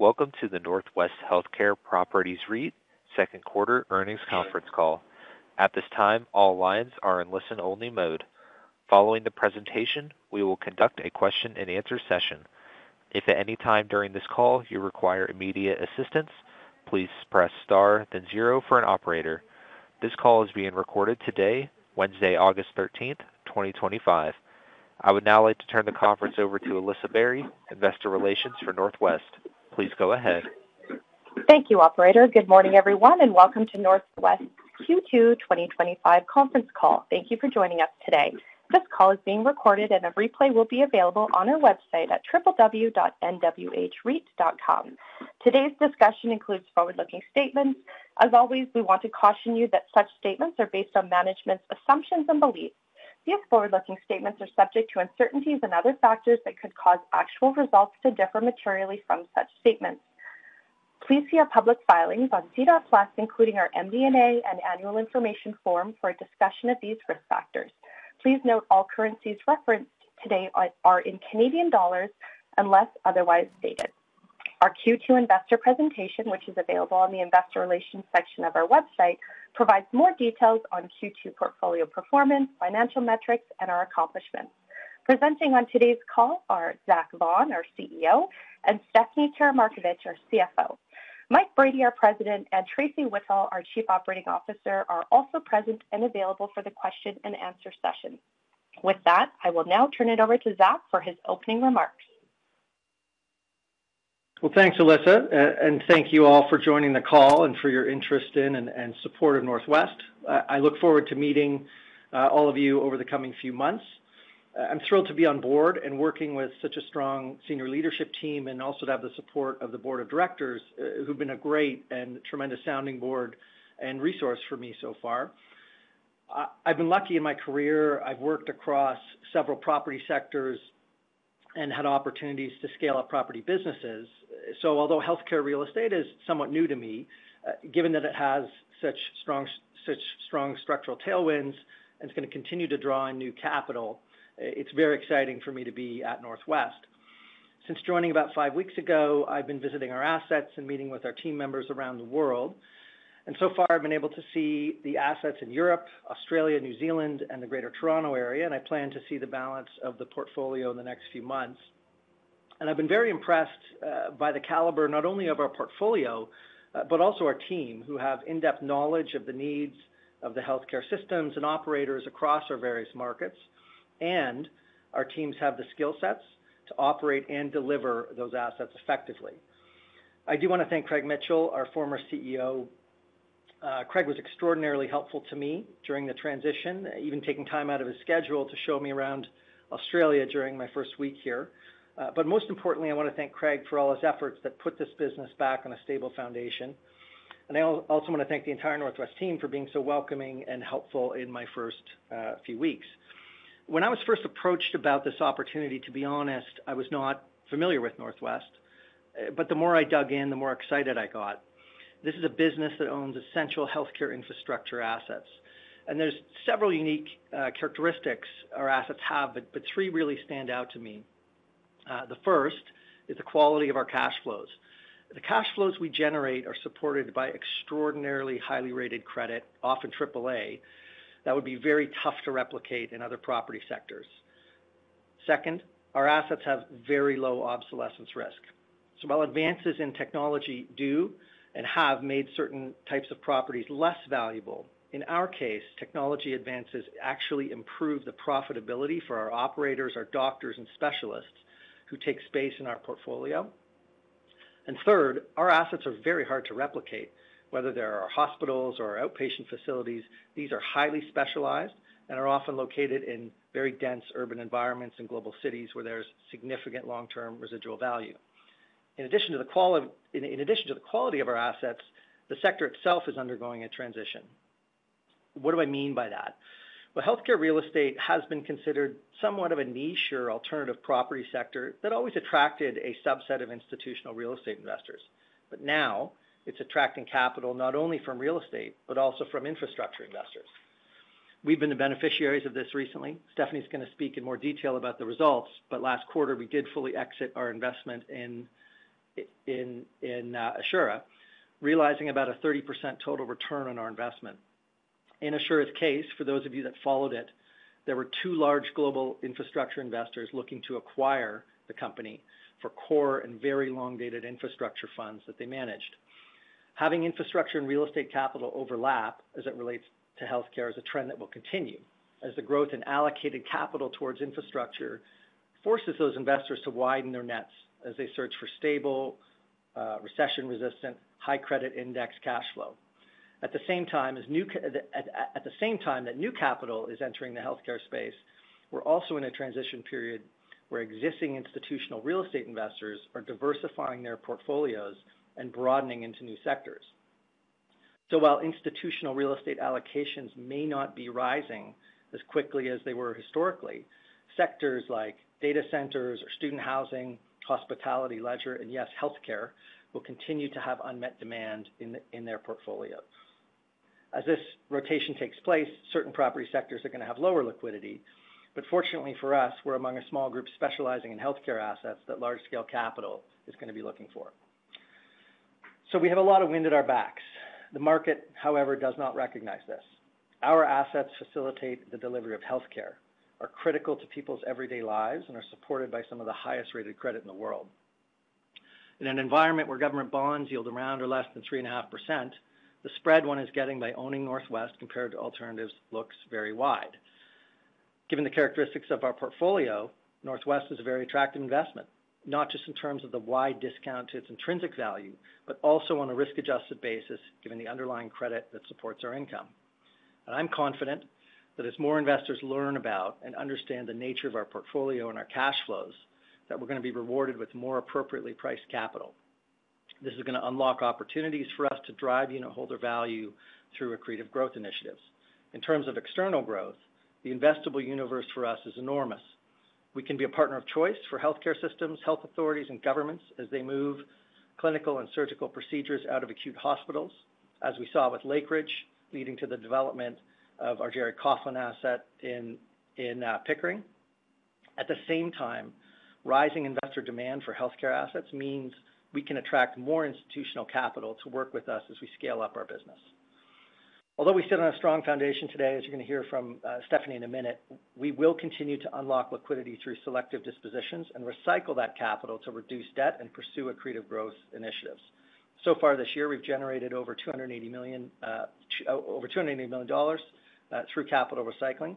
Welcome to the Northwest Healthcare Properties REIT Second Quarter Earnings Conference Call. At this time, all lines are in listen-only mode. Following the presentation, we will conduct a question-and-answer session. If at any time during this call you require immediate assistance, please press star, then zero for an operator. This call is being recorded today, Wednesday, August 13, 2025. I would now like to turn the conference over to Alyssa Barry, Investor Relations for Northwest. Please go ahead. Thank you, Operator. Good morning, everyone, and welcome to Northwest's Q2 2025 conference call. Thank you for joining us today. This call is being recorded, and a replay will be available on our website at www.nwhreit.com. Today's discussion includes forward-looking statements. As always, we want to caution you that such statements are based on management's assumptions and beliefs. These forward-looking statements are subject to uncertainties and other factors that could cause actual results to differ materially from such statements. Please see our public filings on SEDAR, including our MD&A and annual information form for a discussion of these risk factors. Please note all currencies referenced today are in Canadian dollars unless otherwise stated. Our Q2 investor presentation, which is available in the investor relations section of our website, provides more details on Q2 portfolio performance, financial metrics, and our accomplishments. Presenting on today's call are Zach Vaughan, our CEO, and Stephanie Karamarkovic, our CFO. Mike Brady, our President, and Tracy Whittle, our Chief Operating Officer, are also present and available for the question-and-answer session. With that, I will now turn it over to Zach for his opening remarks. Thanks, Alyssa, and thank you all for joining the call and for your interest in and support of Northwest. I look forward to meeting all of you over the coming few months. I'm thrilled to be on board and working with such a strong senior leadership team and also to have the support of the board of irectors, who've been a great and tremendous sounding board and resource for me so far. I've been lucky in my career. I've worked across several property sectors and had opportunities to scale up property businesses. Although healthcare real estate is somewhat new to me, given that it has such strong structural tailwinds and is going to continue to draw in new capital, it's very exciting for me to be at Northwest. Since joining about five weeks ago, I've been visiting our assets and meeting with our team members around the world. So far, I've been able to see the assets in Europe, Australia, New Zealand, and the Greater Toronto Area, and I plan to see the balance of the portfolio in the next few months. I've been very impressed by the caliber not only of our portfolio, but also our team, who have in-depth knowledge of the needs of the healthcare systems and operators across our various markets, and our teams have the skill sets to operate and deliver those assets effectively. I do want to thank Craig Mitchell, our former CEO. Craig was extraordinarily helpful to me during the transition, even taking time out of his schedule to show me around Australia during my first week here. Most importantly, I want to thank Craig for all his efforts that put this business back on a stable foundation. I also want to thank the entire Northwest team for being so welcoming and helpful in my first few weeks. When I was first approached about this opportunity, to be honest, I was not familiar with Northwest, but the more I dug in, the more excited I got. This is a business that owns essential healthcare infrastructure assets, and there are several unique characteristics our assets have, but three really stand out to me. The first is the quality of our cash flows. The cash flows we generate are supported by extraordinarily highly rated credit, often AAA, that would be very tough to replicate in other property sectors. Second, our assets have very low obsolescence risk. While advances in technology do and have made certain types of properties less valuable, in our case, technology advances actually improve the profitability for our operators, our doctors, and specialists who take space in our portfolio. Third, our assets are very hard to replicate. Whether they're our hospitals or outpatient facilities, these are highly specialized and are often located in very dense urban environments and global cities where there's significant long-term residual value. In addition to the quality of our assets, the sector itself is undergoing a transition. What do I mean by that? Healthcare real estate has been considered somewhat of a niche or alternative property sector that always attracted a subset of institutional real estate investors, but now it's attracting capital not only from real estate but also from infrastructure investors. We've been the beneficiaries of this recently. Stephanie's going to speak in more detail about the results, but last quarter we did fully exit our investment in Assura, realizing about a 30% total return on our investment. In Assura's case, for those of you that followed it, there were two large global infrastructure investors looking to acquire the company for core and very long-dated infrastructure funds that they managed. Having infrastructure and real estate capital overlap as it relates to healthcare is a trend that will continue, as the growth in allocated capital towards infrastructure forces those investors to widen their nets as they search for stable, recession-resistant, high-credit index cash flow. At the same time that new capital is entering the healthcare space, we're also in a transition period where existing institutional real estate investors are diversifying their portfolios and broadening into new sectors. Institutional real estate allocations may not be rising as quickly as they were historically. Sectors like data centers or student housing, hospitality, leisure, and yes, healthcare will continue to have unmet demand in their portfolio. As this rotation takes place, certain property sectors are going to have lower liquidity, but fortunately for us, we're among a small group specializing in healthcare assets that large-scale capital is going to be looking for. We have a lot of wind at our backs. The market, however, does not recognize this. Our assets facilitate the delivery of healthcare, are critical to people's everyday lives, and are supported by some of the highest rated credit in the world. In an environment where government bonds yield around or less than 3.5%, the spread one is getting by owning Northwest compared to alternatives looks very wide. Given the characteristics of our portfolio, Northwest is a very attractive investment, not just in terms of the wide discount to its intrinsic value, but also on a risk-adjusted basis given the underlying credit that supports our income. I'm confident that as more investors learn about and understand the nature of our portfolio and our cash flows, we're going to be rewarded with more appropriately priced capital. This is going to unlock opportunities for us to drive unitholder value through accretive growth initiatives. In terms of external growth, the investable universe for us is enormous. We can be a partner of choice for healthcare systems, health authorities, and governments as they move clinical and surgical procedures out of acute hospitals, as we saw with Lakeridge leading to the development of our Jerry Kaufman asset in Pickering. At the same time, rising investor demand for healthcare assets means we can attract more institutional capital to work with us as we scale up our business. Although we sit on a strong foundation today, as you're going to hear from Stephanie in a minute, we will continue to unlock liquidity through selective dispositions and recycle that capital to reduce debt and pursue accretive growth initiatives. So far this year, we've generated over CA 280 million through capital recycling,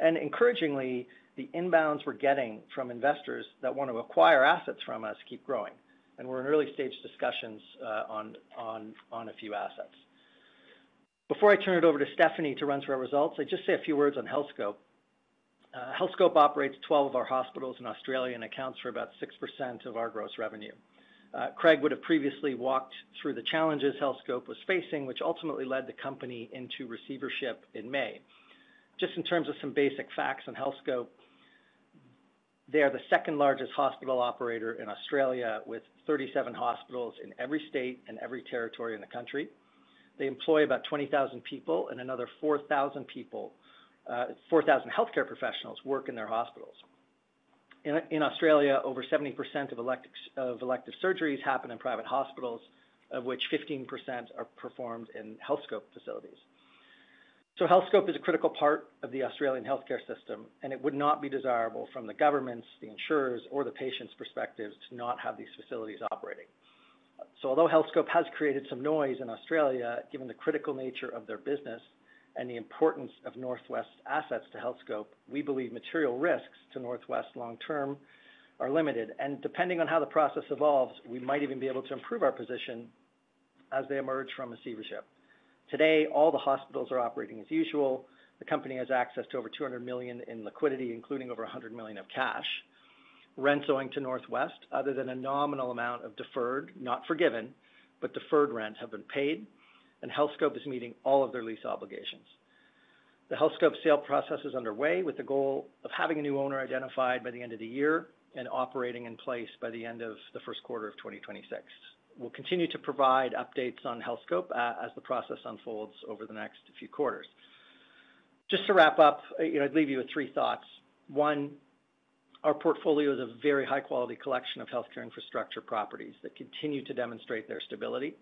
and encouragingly, the inbounds we're getting from investors that want to acquire assets from us keep growing, and we're in early stage discussions on a few assets. Before I turn it over to Stephanie to run through our results, I'd just say a few words on Healthscope. Healthscope operates 12 of our hospitals in Australia and accounts for about 6% of our gross revenue. Craig would have previously walked through the challenges Healthscope was facing, which ultimately led the company into receivership in May. Just in terms of some basic facts on Healthscope, they are the second largest hospital operator in Australia with 37 hospitals in every state and every territory in the country. They employ about 20,000 people, and another 4,000 healthcare professionals work in their hospitals. In Australia, over 70% of elective surgeries happen in private hospitals, of which 15% are performed in Healthscope facilities. Healthscope is a critical part of the Australian healthcare system, and it would not be desirable from the government's, the insurer's, or the patient's perspective to not have these facilities operating. Although Healthscope has created some noise in Australia, given the critical nature of their business and the importance of Northwest's assets to Healthscope, we believe material risks to Northwest long-term are limited, and depending on how the process evolves, we might even be able to improve our position as they emerge from receivership. Today, all the hospitals are operating as usual. The company has access to over 200 million in liquidity, including over 100 million of cash. Rent owing to Northwest, other than a nominal amount of deferred, not forgiven, but deferred rent, have been paid, and Healthscope is meeting all of their lease obligations. The Healthscope sale process is underway with the goal of having a new owner identified by the end of the year and operating in place by the end of the first quarter of 2026. We will continue to provide updates on Healthscope as the process unfolds over the next few quarters. Just to wrap up, I'd leave you with three thoughts. One, our portfolio is a very high-quality collection of healthcare infrastructure properties that continue to demonstrate their stability.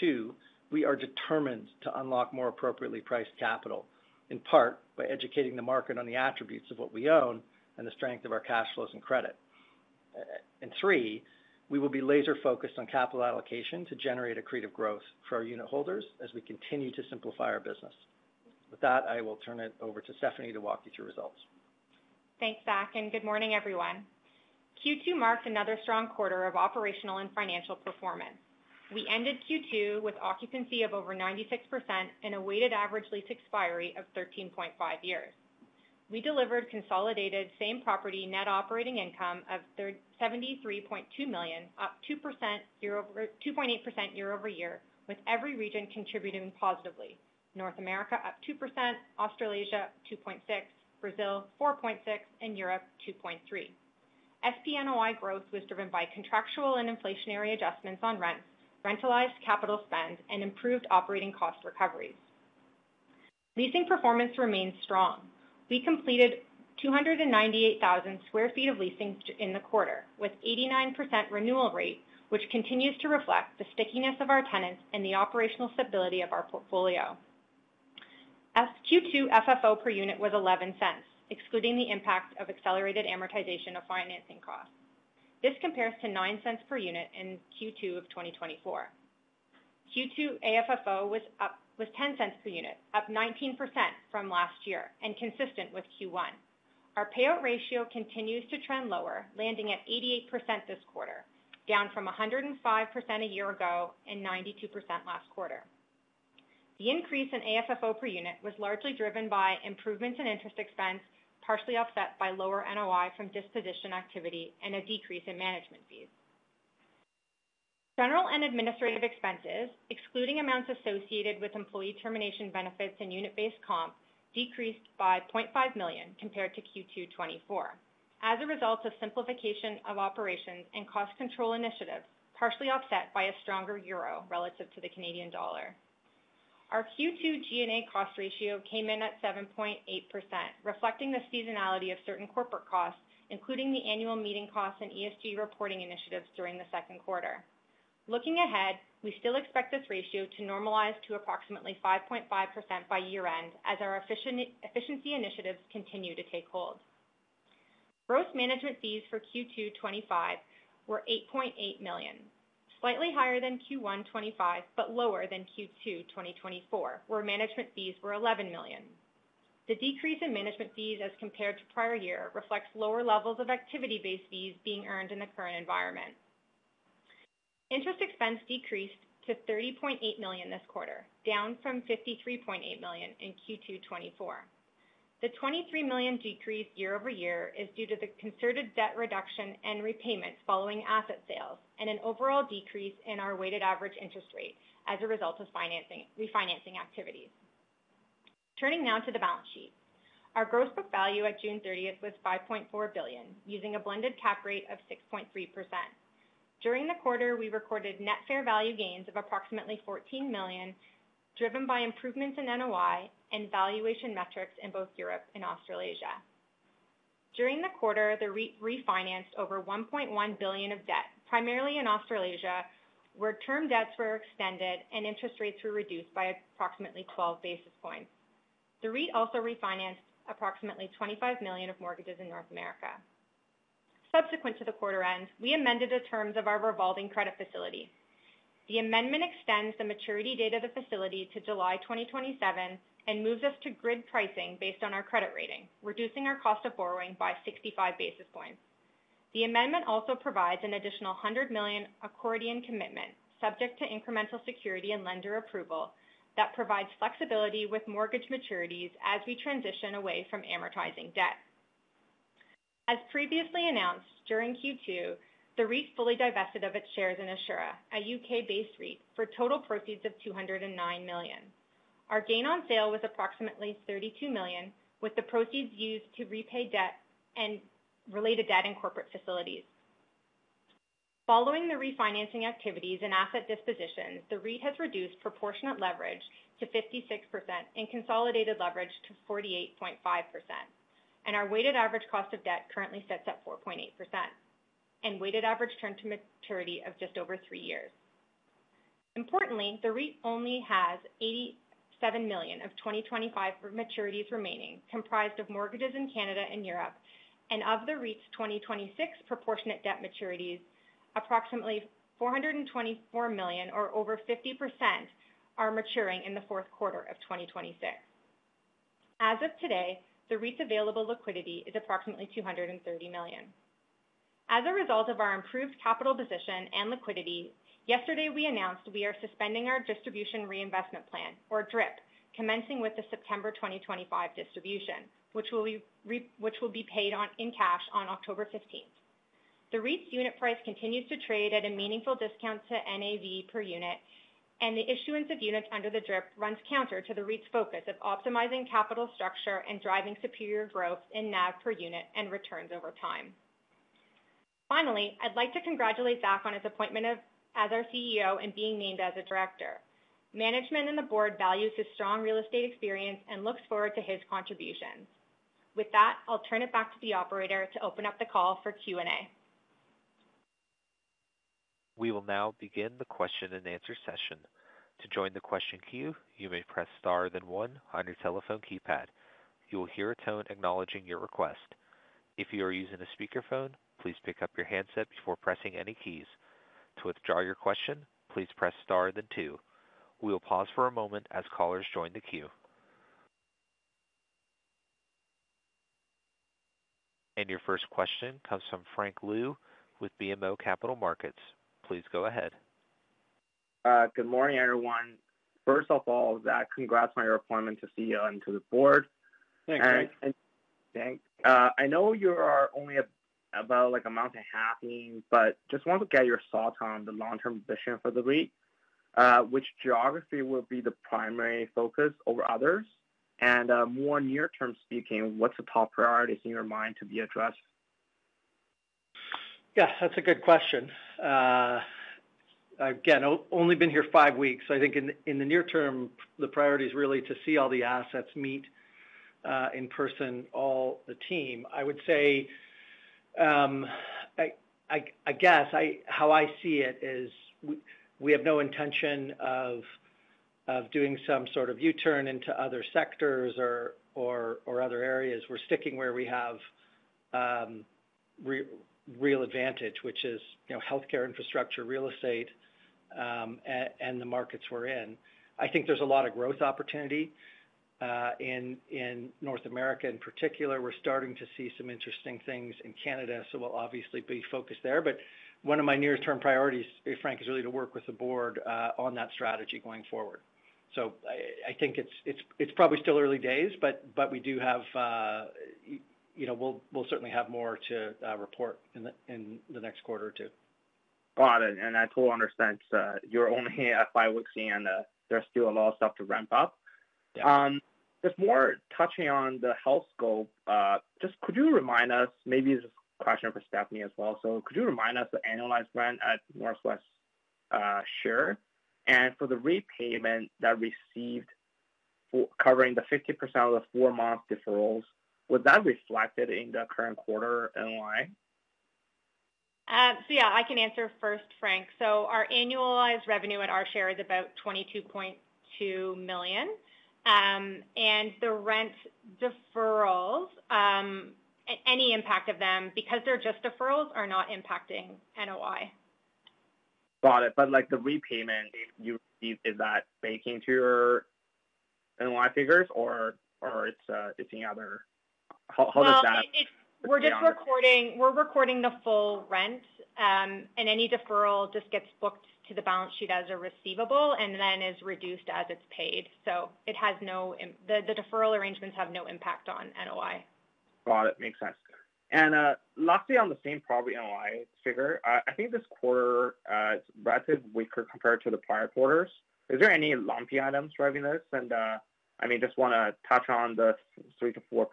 Two, we are determined to unlock more appropriately priced capital, in part by educating the market on the attributes of what we own and the strength of our cash flows and credit. Three, we will be laser-focused on capital allocation to generate accretive growth for our unitholders as we continue to simplify our business. With that, I will turn it over to Stephanie to walk you through results. Thanks, Zach, and good morning, everyone. Q2 marked another strong quarter of operational and financial performance. We ended Q2 with occupancy of over 96% and a weighted average lease expiry of 13.5 years. We delivered consolidated same-property net operating income of 73.2 million, up 2.8% year-over-year, with every region contributing positively. North America up 2%, Australasia 2.6%, Brazil 4.6%, and Europe 2.3%. FP&OY growth was driven by contractual and inflationary adjustments on rents, rentalized capital spend, and improved operating cost recoveries. Leasing performance remains strong. We completed 298,000 sq ft of leasing in the quarter, with an 89% renewal rate, which continues to reflect the stickiness of our tenants and the operational stability of our portfolio. FQ2 FFO per unit was 0.11, excluding the impact of accelerated amortization of financing costs. This compares to 0.09 per unit in Q2 of 2024. Q2 AFFO was 0.10 per unit, up 19% from last year and consistent with Q1. Our payout ratio continues to trend lower, landing at 88% this quarter, down from 105% a year ago and 92% last quarter. The increase in AFFO per unit was largely driven by improvements in interest expense, partially offset by lower NOI from disposition activity and a decrease in management fees. General and administrative expenses, excluding amounts associated with employee termination benefits and unit-based comp, decreased by 0.5 million compared to Q2 2024. As a result of simplification of operations and cost control initiatives, partially offset by a stronger euro relative to the Canadian dollar. Our Q2 G&A cost ratio came in at 7.8%, reflecting the seasonality of certain corporate costs, including the annual meeting costs and ESG reporting initiatives during the second quarter. Looking ahead, we still expect this ratio to normalize to approximately 5.5% by year-end as our efficiency initiatives continue to take hold. Gross management fees for Q2 2025 were 8.8 million, slightly higher than Q1 2025 but lower than Q2 2024, where management fees were 11 million. The decrease in management fees as compared to prior year reflects lower levels of activity-based fees being earned in the current environment. Interest expense decreased to 30.8 million this quarter, down from 53.8 million in Q2 2024. The 23 million decrease year-over-year is due to the concerted debt reduction and repayments following asset sales and an overall decrease in our weighted average interest rate as a result of refinancing activities. Turning now to the balance sheet. Our gross book value at June 30th was 5.4 billion, using a blended cap rate of 6.3%. During the quarter, we recorded net fair value gains of approximately 14 million, driven by improvements in NOI and valuation metrics in both Europe and Australasia. During the quarter, the REIT refinanced over 1.1 billion of debt, primarily in Australasia, where term debts were extended and interest rates were reduced by approximately 12 basis points. The REIT also refinanced approximately 25 million of mortgages in North America. Subsequent to the quarter end, we amended the terms of our revolving credit facility. The amendment extends the maturity date of the facility to July 2027 and moves us to grid pricing based on our credit rating, reducing our cost of borrowing by 65 basis points. The amendment also provides an additional 100 million accordion commitment subject to incremental security and lender approval that provides flexibility with mortgage maturities as we transition away from amortizing debt. As previously announced during Q2, the REIT fully divested of its shares in Assura, a UK-based REIT, for total proceeds of 209 million. Our gain on sale was approximately 32 million, with the proceeds used to repay debt and related debt in corporate facilities. Following the refinancing activities and asset dispositions, the REIT has reduced proportionate leverage to 56% and consolidated leverage to 48.5%, and our weighted average cost of debt currently sits at 4.8% and weighted average term to maturity of just over three years. Importantly, the REIT only has 87 million of 2025 maturities remaining, comprised of mortgages in Canada and Europe, and of the REIT's 2026 proportionate debt maturities, approximately 424 million, or over 50%, are maturing in the fourth quarter of 2026. As of today, the REIT's available liquidity is approximately 230 million. As a result of our improved capital position and liquidity, yesterday we announced we are suspending our distribution reinvestment plan, or DRIP, commencing with the September 2025 distribution, which will be paid in cash on October 15th. The REIT's unit price continues to trade at a meaningful discount to NAV per unit, and the issuance of units under the DRIP runs counter to the REIT's focus of optimizing capital structure and driving superior growth in NAV per unit and returns over time. Finally, I'd like to congratulate Zach on his appointment as our CEO and being named as a director. Management and the board value his strong real estate experience and look forward to his contributions. With that, I'll turn it back to the operator to open up the call for Q&A. We will now begin the question-and-answer session. To join the question queue, you may press star then one on your telephone keypad. You will hear a tone acknowledging your request. If you are using a speakerphone, please pick up your handset before pressing any keys. To withdraw your question, please press star then two. We will pause for a moment as callers join the queue. Your first question comes from Frank Liu with BMO Capital Markets. Please go ahead. Good morning, everyone. First of all, Zach, congrats on your appointment to CEO and to the board. Thanks. I know you are only about a month and a half in, but just wanted to get your thoughts on the long-term vision for the REIT. Which geography will be the primary focus over others? More near-term speaking, what's the top priorities in your mind to be addressed? Yeah, that's a good question. Again, I've only been here five weeks, so I think in the near term, the priority is really to see all the assets, meet in person, all the team. I would say, I guess how I see it is we have no intention of doing some sort of U-turn into other sectors or other areas. We're sticking where we have real advantage, which is healthcare infrastructure, real estate, and the markets we're in. I think there's a lot of growth opportunity in North America in particular. We're starting to see some interesting things in Canada, so we'll obviously be focused there. One of my near-term priorities, to be frank, is really to work with the board on that strategy going forward. I think it's probably still early days, but we do have, you know, we'll certainly have more to report in the next quarter or two. Got it. I totally understand. You're only five weeks in. There's still a lot of stuff to ramp up. Just more touching on the Healthscope, could you remind us, maybe it's a question for Stephanie as well, could you remind us the annualized rent at Northwest share and for the repayment that received covering the 50% of the four-month deferrals, was that reflected in the current quarter NOI? I can answer first, Frank. Our annualized revenue at our share is about 22.2 million. The rent deferrals, any impact of them, because they're just deferrals, are not impacting NOI. Got it. Like the repayment you receive, is that baked into your NOI figures or is it any other? We're just recording the full rent, and any deferral just gets booked to the balance sheet as a receivable and then is reduced as it's paid. It has no, the deferral arrangements have no impact on NOI. Got it. Makes sense. Lastly, on the same-property NOI figure, I think this quarter is relatively weaker compared to the prior quarters. Is there any lumpy items driving this? I just want to touch on the 3%-4%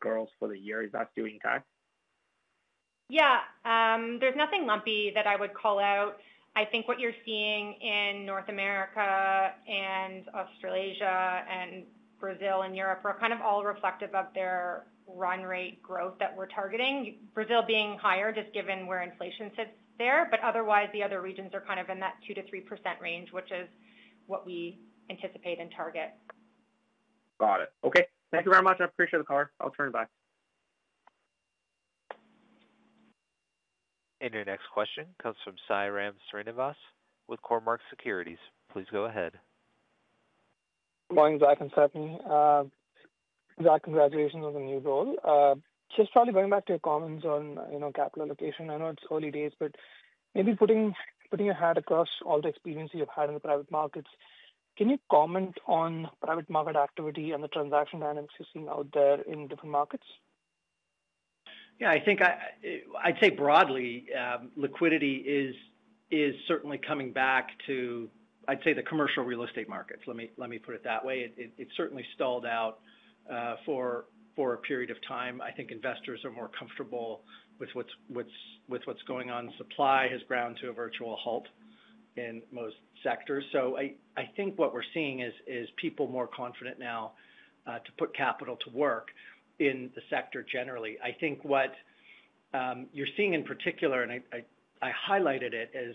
growth for the year. Is that still intact? Yeah, there's nothing lumpy that I would call out. I think what you're seeing in North America, Australasia, Brazil, and Europe are kind of all reflective of their run rate growth that we're targeting. Brazil being higher just given where inflation sits there, but otherwise, the other regions are kind of in that 2%-3% range, which is what we anticipate in target. Got it. Okay, thank you very much. I appreciate the call. I'll turn it back. Your next question comes from Sairam Srinivas with Cormark Securities. Please go ahead. Good morning, Zach and Stephanie. Zach, congratulations on the new role. Just going back to your comments on capital allocation, I know it's early days, but maybe putting your hat across all the experience you've had in the private markets, can you comment on private market activity and the transaction dynamics you're seeing out there in different markets? Yeah, I think I'd say broadly, liquidity is certainly coming back to, I'd say, the commercial real estate markets. Let me put it that way. It certainly stalled out for a period of time. I think investors are more comfortable with what's going on. Supply has ground to a virtual halt in most sectors. I think what we're seeing is people more confident now to put capital to work in the sector generally. I think what you're seeing in particular, and I highlighted it, is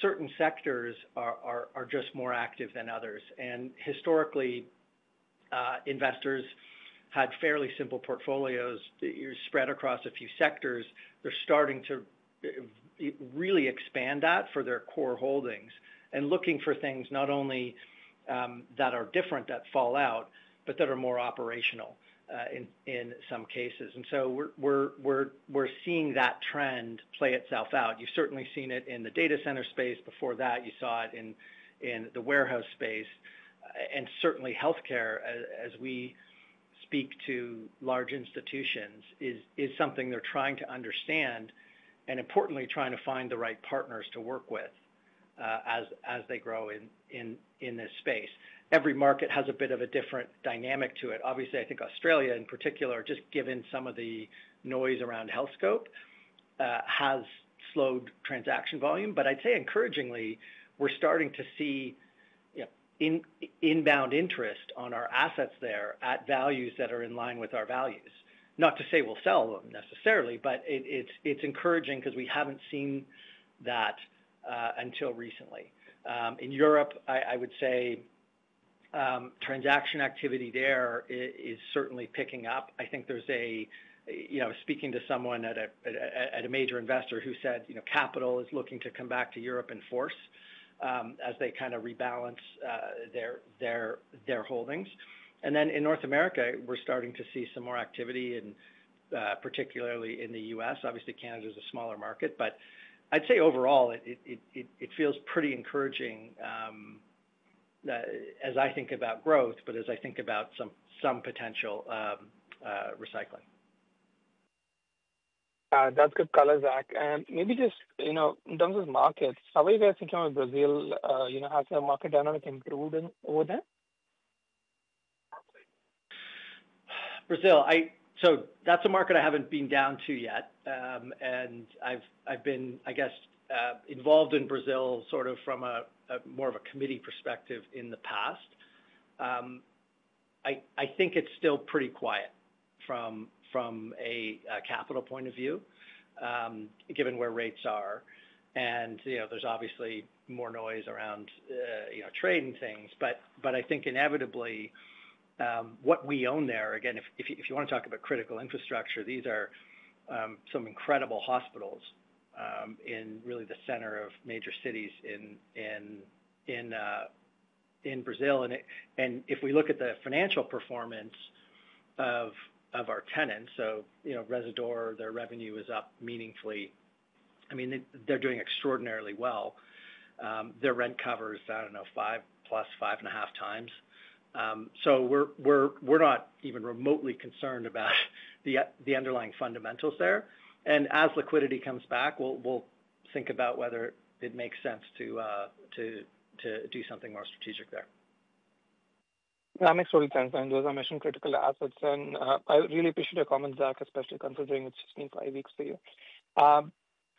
certain sectors are just more active than others. Historically, investors had fairly simple portfolios that you spread across a few sectors. They're starting to really expand that for their core holdings and looking for things not only that are different that fall out, but that are more operational in some cases. We're seeing that trend play itself out. You've certainly seen it in the data center space. Before that, you saw it in the warehouse space. Certainly healthcare, as we speak to large institutions, is something they're trying to understand and importantly trying to find the right partners to work with as they grow in this space. Every market has a bit of a different dynamic to it. Obviously, I think Australia in particular, just given some of the noise around Healthscope, has slowed transaction volume. I'd say encouragingly, we're starting to see inbound interest on our assets there at values that are in line with our values. Not to say we'll sell them necessarily, but it's encouraging because we haven't seen that until recently. In Europe, I would say transaction activity there is certainly picking up. I think there's a, you know, speaking to someone at a major investor who said, you know, capital is looking to come back to Europe in force as they kind of rebalance their holdings. In North America, we're starting to see some more activity and particularly in the U.S. Obviously, Canada is a smaller market, but I'd say overall it feels pretty encouraging as I think about growth, but as I think about some potential recycling. That's good color, Zach. Maybe just, you know, in terms of markets, how are you guys thinking about Brazil? Has the market dynamic improved over there? Brazil is a market I haven't been down to yet. I've been involved in Brazil from more of a committee perspective in the past. I think it's still pretty quiet from a capital point of view, given where rates are. There's obviously more noise around trade and things. I think inevitably, what we own there, if you want to talk about critical infrastructure, these are some incredible hospitals in the center of major cities in Brazil. If we look at the financial performance of our tenants, Residor, their revenue is up meaningfully. They're doing extraordinarily well. Their rent covers, I don't know, five plus five and a half times. We're not even remotely concerned about the underlying fundamentals there. As liquidity comes back, we'll think about whether it makes sense to do something more strategic there. That makes total sense. As I mentioned, critical assets. I really appreciate your comments, Zach, especially considering it's just been five weeks for you.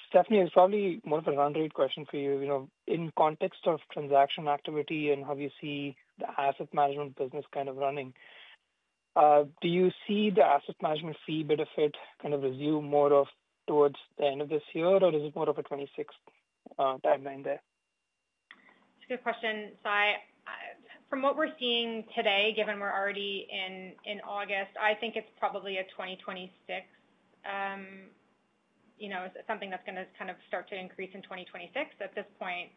Stephanie, it's probably more of a groundbreaking question for you. In context of transaction activity and how you see the asset management business kind of running, do you see the asset management fee benefit kind of resume more towards the end of this year, or is it more of a 2026 timeline there? It's a good question. Sai, from what we're seeing today, given we're already in August, I think it's probably a 2026, you know, something that's going to kind of start to increase in 2026. At this point,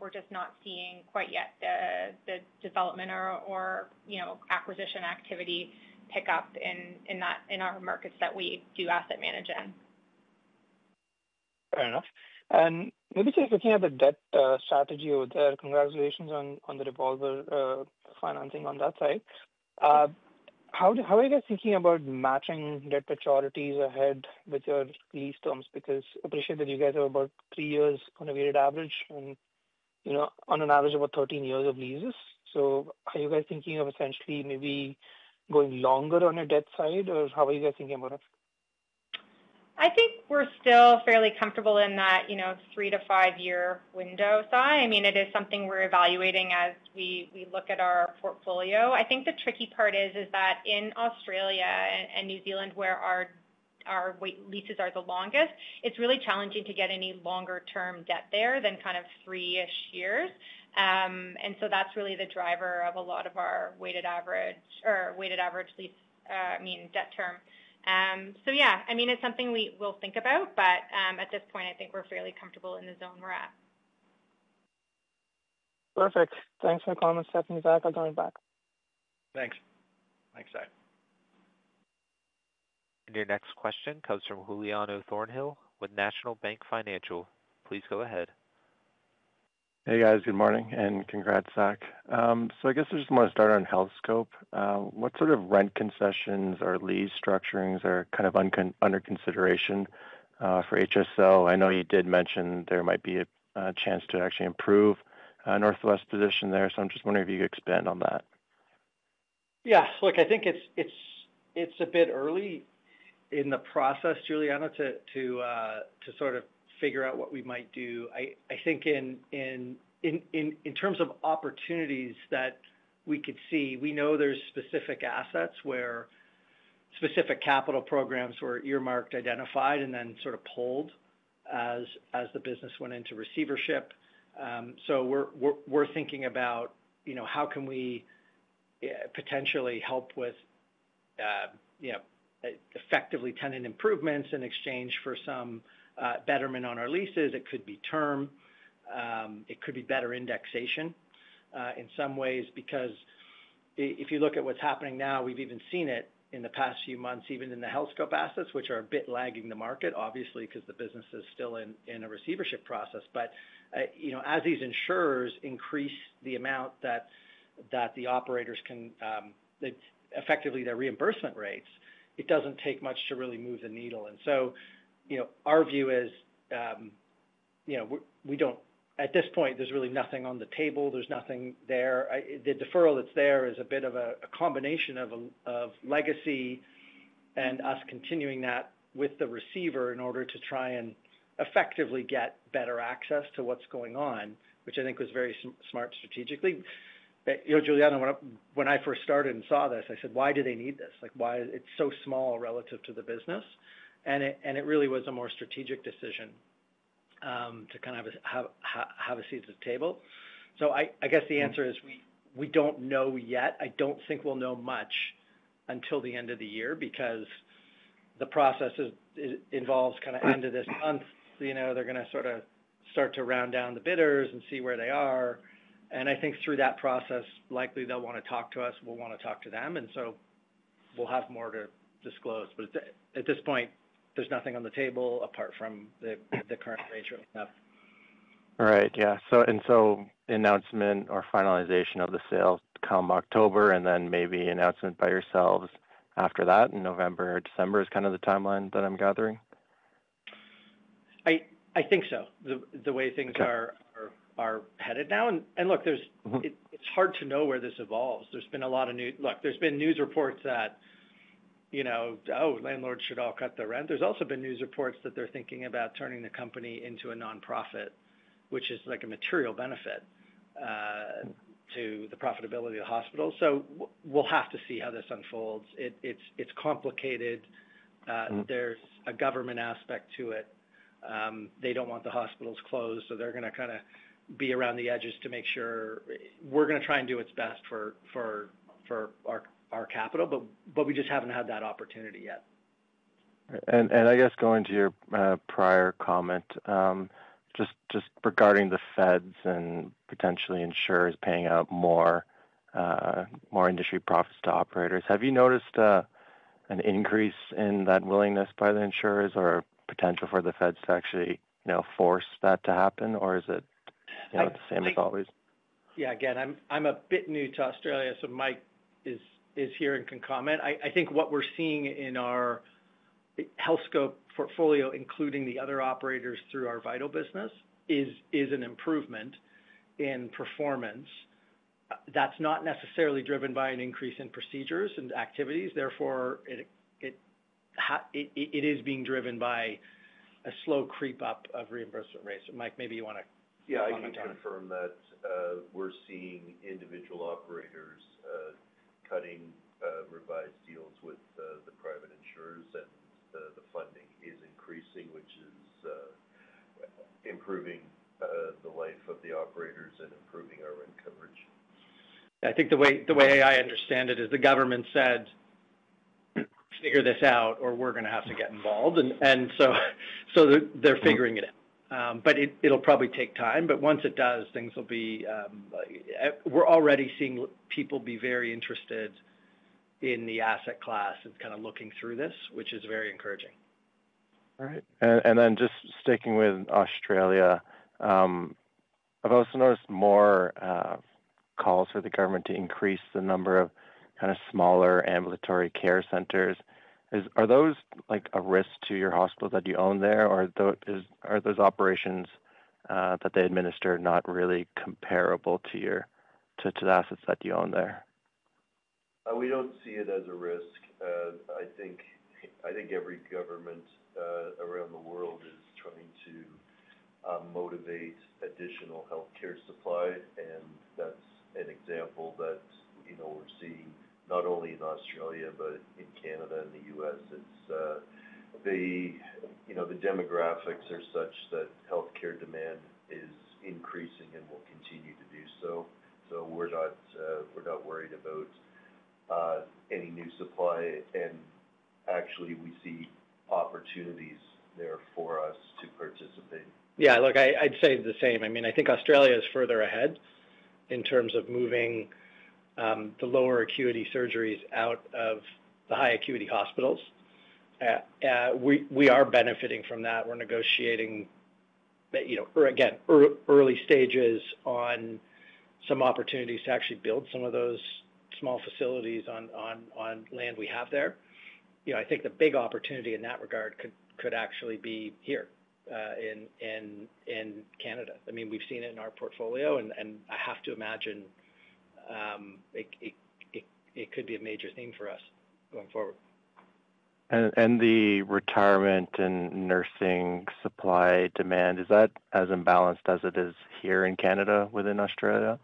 we're just not seeing quite yet the development or, you know, acquisition activity pick up in our markets that we do asset manage in. Fair enough. Maybe just looking at the debt strategy over there, congratulations on the revolver financing on that side. How are you guys thinking about matching debt maturities ahead with your lease terms? I appreciate that you guys have about three years on a weighted average and, you know, on an average of about 13 years of leases. Are you guys thinking of essentially maybe going longer on your debt side, or how are you guys thinking about it? I think we're still fairly comfortable in that, you know, three to five-year window, Sai. I mean, it is something we're evaluating as we look at our portfolio. I think the tricky part is that in Australia and New Zealand, where our leases are the longest, it's really challenging to get any longer-term debt there than kind of three-ish years. That is really the driver of a lot of our weighted average debt term. Yeah, I mean, it's something we will think about, but at this point, I think we're fairly comfortable in the zone we're at. Perfect. Thanks for the comment, Stephanie. Zach, I'll turn it back. Thanks. Thanks, Zach. Your next question comes from Guliano Thornhill with National Bank Financial. Please go ahead. Hey guys, good morning and congrats, Zach. I just want to start on Healthscope. What sort of rent concessions or lease structurings are under consideration for HSL? I know you did mention there might be a chance to actually improve Northwest's position there, so I'm just wondering if you could expand on that. Yeah, look, I think it's a bit early in the process, Guliano, to sort of figure out what we might do. I think in terms of opportunities that we could see, we know there's specific assets where specific capital programs were earmarked, identified, and then sort of pulled as the business went into receivership. We're thinking about how can we potentially help with, you know, effectively tenant improvements in exchange for some betterment on our leases. It could be term. It could be better indexation in some ways, because if you look at what's happening now, we've even seen it in the past few months, even in the HealthScope assets, which are a bit lagging the market, obviously, because the business is still in a receivership process. As these insurers increase the amount that the operators can, effectively, their reimbursement rates, it doesn't take much to really move the needle. Our view is, we don't, at this point, there's really nothing on the table. There's nothing there. The deferral that's there is a bit of a combination of legacy and us continuing that with the receiver in order to try and effectively get better access to what's going on, which I think was very smart strategically. Guliano, when I first started and saw this, I said, why do they need this? Like, why is it so small relative to the business? It really was a more strategic decision to kind of have a seat at the table. I guess the answer is we don't know yet. I don't think we'll know much until the end of the year, because the process involves kind of end of this month. They're going to sort of start to round down the bidders and see where they are. I think through that process, likely they'll want to talk to us. We'll want to talk to them. We'll have more to disclose. At this point, there's nothing on the table apart from the current arrangement we have. Right, yeah. So announcement or finalization of the sale come October, and then maybe announcement by yourselves after that in November or December is kind of the timeline that I'm gathering. I think so. The way things are headed now. It's hard to know where this evolves. There's been a lot of news reports that, you know, landlords should all cut their rent. There's also been news reports that they're thinking about turning the company into a nonprofit, which is like a material benefit to the profitability of the hospital. We'll have to see how this unfolds. It's complicated. There's a government aspect to it. They don't want the hospitals closed, so they're going to be around the edges to make sure we're going to try and do what's best for our capital, but we just haven't had that opportunity yet. Going to your prior comment, just regarding the feds and potentially insurers paying out more industry profits to operators, have you noticed an increase in that willingness by the insurers or a potential for the feds to actually, you know, force that to happen, or is it the same as always? Yeah, again, I'm a bit new to Australia, so Mike is here and can comment. I think what we're seeing in our Healthscope portfolio, including the other operators through our Vital business, is an improvement in performance. That's not necessarily driven by an increase in procedures and activities. It is being driven by a slow creep-up of reimbursement rates. Mike, maybe you want to comment on that. Yeah, I can confirm that we're seeing individual operators cutting revised deals with the private insurers, that the funding is increasing, which is improving the life of the operators and improving our rent coverage. I think the way I understand it is the government said, "Figure this out, or we're going to have to get involved." They're figuring it out. It'll probably take time. Once it does, things will be, we're already seeing people be very interested in the asset class and kind of looking through this, which is very encouraging. All right. Just sticking with Australia, I've also noticed more calls for the government to increase the number of kind of smaller ambulatory care centers. Are those like a risk to your hospital that you own there, or are those operations that they administer not really comparable to your assets that you own there? We don't see it as a risk. I think every government around the world is trying to motivate additional healthcare supply. That's an example that we're seeing not only in Australia, but in Canada and the U.S. The demographics are such that healthcare demand is increasing and will continue to do so. We're not worried about any new supply, and actually we see opportunities there for us to participate. Yeah, I'd say the same. I think Australia is further ahead in terms of moving the lower acuity surgeries out of the high acuity hospitals. We are benefiting from that. We're negotiating, again, early stages on some opportunities to actually build some of those small facilities on land we have there. I think the big opportunity in that regard could actually be here in Canada. We've seen it in our portfolio, and I have to imagine it could be a major thing for us going forward. Is the retirement and nursing supply demand as imbalanced as it is here in Canada within Australia?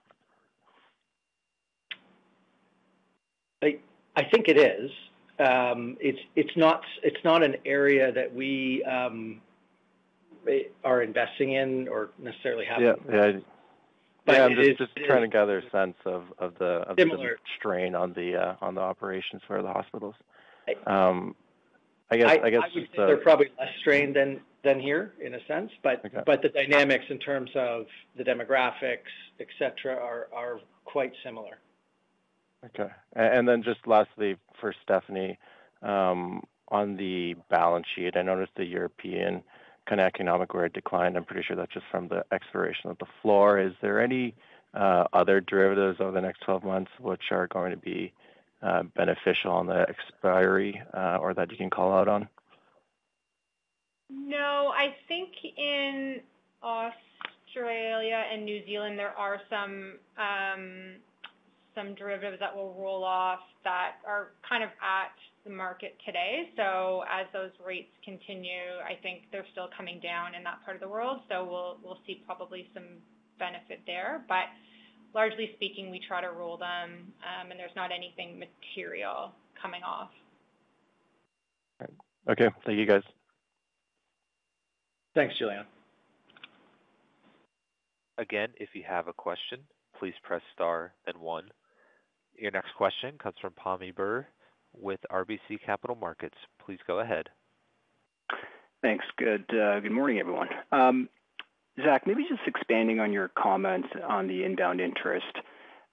I think it is. It's not an area that we are investing in or necessarily have. I'm just trying to gather a sense of the strain on the operations for the hospitals. I guess they're probably less strained than here in a sense, but the dynamics in terms of the demographics, etc., are quite similar. Okay. Lastly, for Stephanie, on the balance sheet, I noticed the European kind of economic growth declined. I'm pretty sure that's just from the expiration of the floor. Is there any other derivatives over the next 12 months which are going to be beneficial on the expiry or that you can call out on? No, I think in Australia and New Zealand, there are some derivatives that will roll off that are kind of at the market today. As those rates continue, I think they're still coming down in that part of the world. We'll see probably some benefit there. Largely speaking, we try to roll them and there's not anything material coming off. Okay, thank you guys. Thanks, Guliano. Again, if you have a question, please press star and one. Your next question comes from Pammi Burr with RBC Capital Markets. Please go ahead. Thanks. Good morning, everyone. Zach, maybe just expanding on your comments on the inbound interest,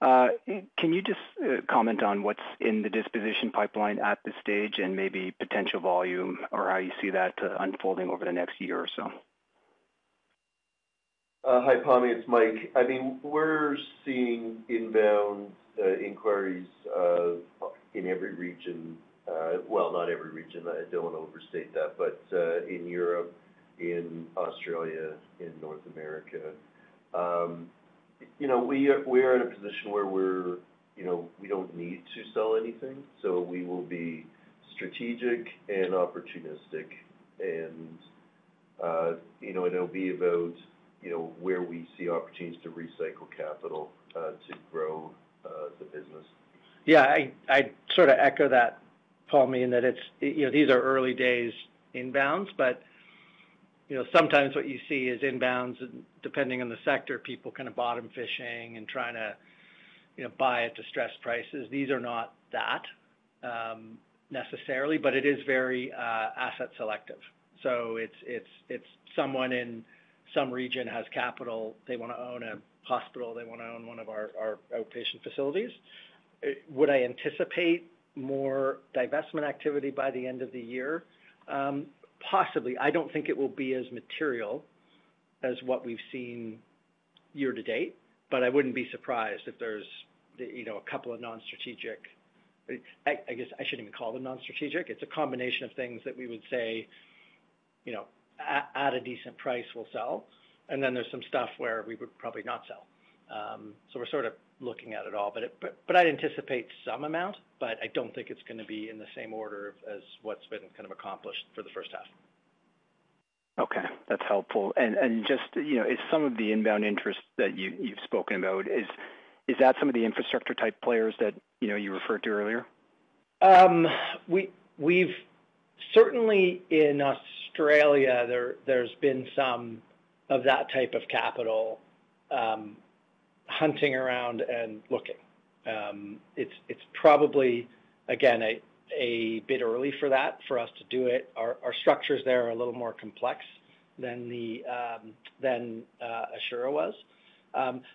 can you just comment on what's in the disposition pipeline at this stage and maybe potential volume or how you see that unfolding over the next year or so? Hi, Pammi. It's Mike. We're seeing inbound inquiries in every region. I don't want to overstate that, but in Europe, in Australia, in North America. We are in a position where we don't need to sell anything. We will be strategic and opportunistic. It'll be about where we see opportunities to recycle capital to grow the business. Yeah, I sort of echo that, Pammi, in that it's, you know, these are early days inbounds, but sometimes what you see is inbounds, and depending on the sector, people kind of bottom fishing and trying to buy at distressed prices. These are not that necessarily, but it is very asset selective. It's someone in some region has capital. They want to own a hospital. They want to own one of our outpatient facilities. Would I anticipate more divestment activity by the end of the year? Possibly. I don't think it will be as material as what we've seen year to date, but I wouldn't be surprised if there's a couple of non-strategic, I guess I shouldn't even call them non-strategic. It's a combination of things that we would say, at a decent price we'll sell. There's some stuff where we would probably not sell. We're sort of looking at it all, but I'd anticipate some amount, but I don't think it's going to be in the same order as what's been kind of accomplished for the first half. Okay, that's helpful. Is some of the inbound interest that you've spoken about some of the infrastructure type players that you referred to earlier? We've certainly, in Australia, there's been some of that type of capital hunting around and looking. It's probably, again, a bit early for that for us to do it. Our structures there are a little more complex than Assura was.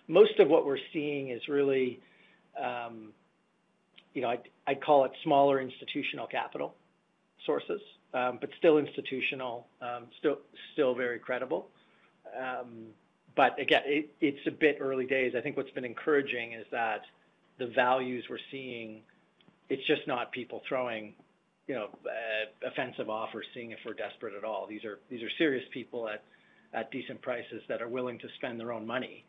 Most of what we're seeing is really, you know, I'd call it smaller institutional capital sources, but still institutional, still very credible. Again, it's a bit early days. I think what's been encouraging is that the values we're seeing, it's just not people throwing, you know, offensive offers, seeing if we're desperate at all. These are serious people at decent prices that are willing to spend their own money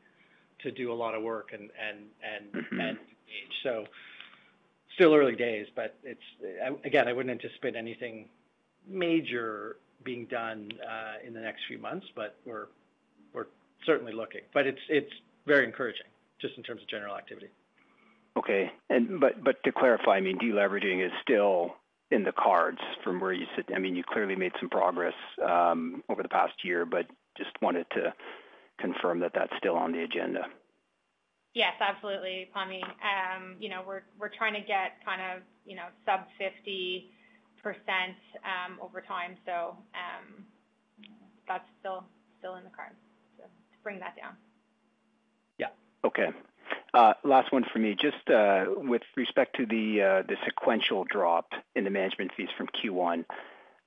to do a lot of work and engage. Still early days, but I wouldn't anticipate anything major being done in the next few months. We're certainly looking. It's very encouraging just in terms of general activity. Okay. To clarify, I mean, deleveraging is still in the cards from where you sit. You clearly made some progress over the past year, but just wanted to confirm that that's still on the agenda. Yes, absolutely, Pammi. We're trying to get kind of sub 50% over time. That's still in the cards to bring that down. Okay. Last one for me, just with respect to the sequential drop in the management fees from Q1.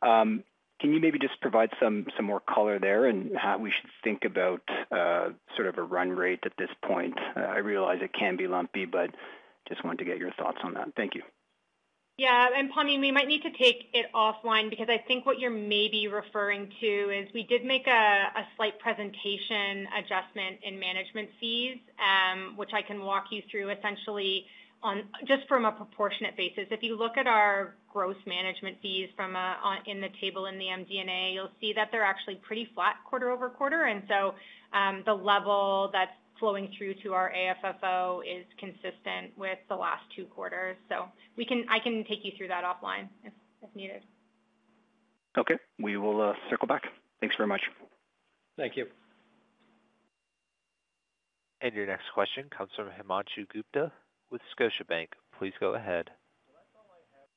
Can you maybe just provide some more color there and how we should think about sort of a run rate at this point? I realize it can be lumpy, but just wanted to get your thoughts on that. Thank you. Yeah. Pammi, we might need to take it offline because I think what you're maybe referring to is we did make a slight presentation adjustment in management fees, which I can walk you through essentially on just from a proportionate basis. If you look at our gross management fees from in the table in the MD&A, you'll see that they're actually pretty flat quarter over quarter. The level that's flowing through to our AFFO is consistent with the last two quarters. I can take you through that offline if needed. Okay, we will circle back. Thanks very much. Thank you. Your next question comes from Himanshu Gupta with Scotiabank. Please go ahead.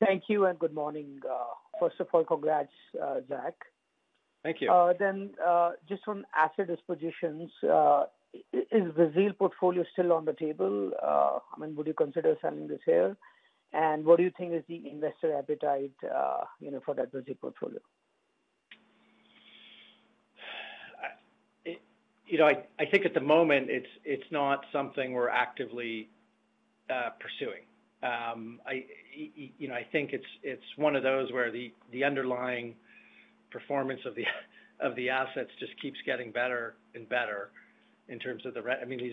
Thank you, and good morning. First of all, congrats, Zach. Thank you. On asset dispositions, is the Brazil portfolio still on the table? Would you consider selling this here? What do you think is the investor appetite for that Brazil portfolio? I think at the moment, it's not something we're actively pursuing. I think it's one of those where the underlying performance of the assets just keeps getting better and better in terms of the rent. I mean,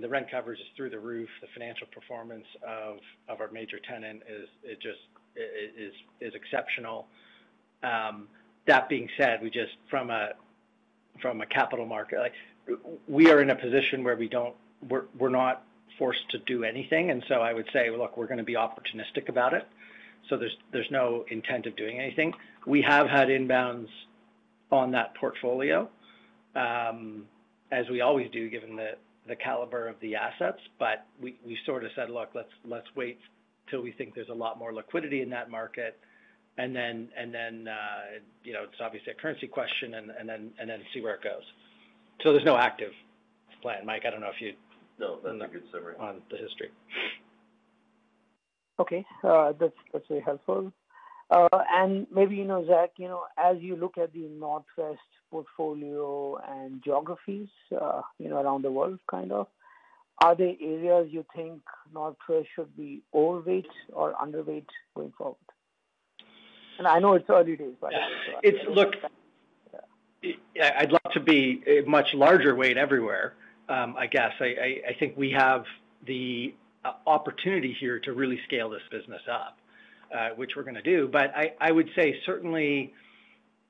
the rent coverage is through the roof. The financial performance of our major tenant is just exceptional. That being said, from a capital market perspective, we are in a position where we're not forced to do anything. I would say, look, we're going to be opportunistic about it. There's no intent of doing anything. We have had inbounds on that portfolio, as we always do, given the caliber of the assets. We sort of said, look, let's wait till we think there's a lot more liquidity in that market. It's obviously a currency question and then see where it goes. There's no active plan. Mike, I don't know if you- No, that's a good summary. On the history. Okay. That's very helpful. Maybe, you know, Zach, as you look at the Northwest portfolio and geographies around the world, are there areas you think Northwest should be overweight or underweight going forward? I know it's early days. Look, I'd love to be a much larger weight everywhere, I guess. I think we have the opportunity here to really scale this business up, which we're going to do. I would say certainly,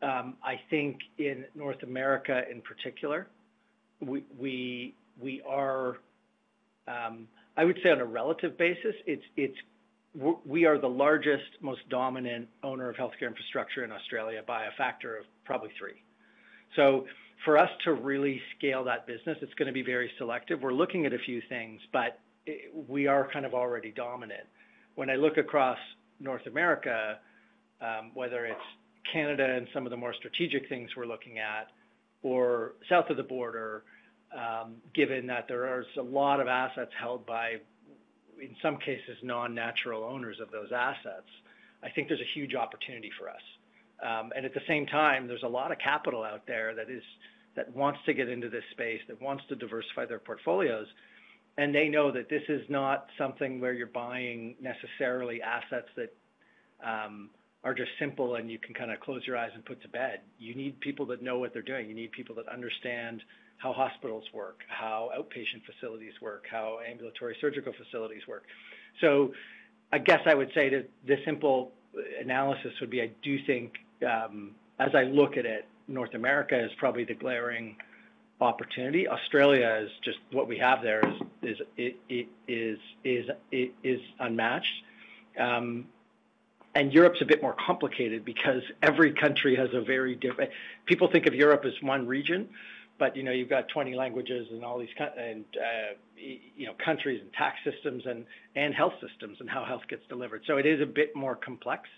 I think in North America in particular, we are, I would say on a relative basis, we are the largest, most dominant owner of healthcare infrastructure in Australia by a factor of probably three. For us to really scale that business, it's going to be very selective. We're looking at a few things, but we are kind of already dominant. When I look across North America, whether it's Canada and some of the more strategic things we're looking at, or south of the border, given that there are a lot of assets held by, in some cases, non-natural owners of those assets, I think there's a huge opportunity for us. At the same time, there's a lot of capital out there that wants to get into this space, that wants to diversify their portfolios. They know that this is not something where you're buying necessarily assets that are just simple and you can kind of close your eyes and put to bed. You need people that know what they're doing. You need people that understand how hospitals work, how outpatient facilities work, how ambulatory surgical facilities work. I guess I would say that the simple analysis would be, I do think, as I look at it, North America is probably the glaring opportunity. Australia is just what we have there is unmatched, and Europe is a bit more complicated. People think of Europe as one region, but you've got 20 languages and all these countries and tax systems and health systems and how health gets delivered. It is a bit more complex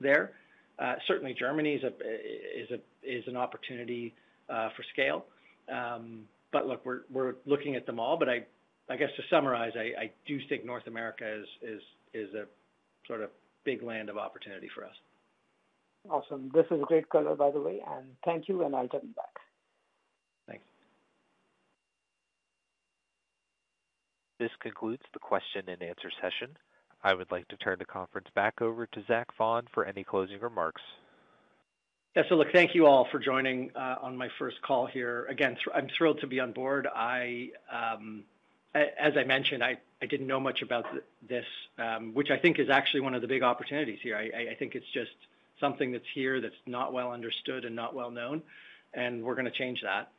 there. Certainly, Germany is an opportunity for scale. We're looking at them all. I guess to summarize, I do think North America is a sort of big land of opportunity for us. Awesome. This is great color, by the way. Thank you, and I'll turn it back. Thanks. This concludes the question-and-answer session. I would like to turn the conference back over to Zach Vaughan for any closing remarks. Thank you all for joining on my first call here. I'm thrilled to be on board. As I mentioned, I didn't know much about this, which I think is actually one of the big opportunities here. I think it's just something that's here that's not well understood and not well known, and we're going to change that.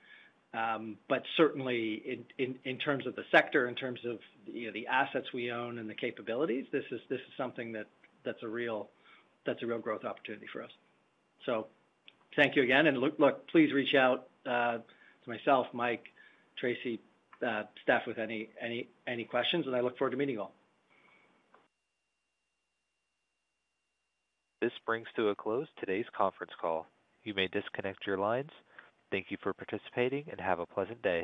Certainly, in terms of the sector, in terms of the assets we own and the capabilities, this is something that's a real growth opportunity for us. Thank you again. Please reach out to myself, Mike, Tracy, Steph with any questions, and I look forward to meeting you all. This brings to a close today's conference call. You may disconnect your lines. Thank you for participating and have a pleasant day.